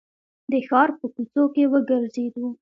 د ښار په کوڅو کې وګرځېدو.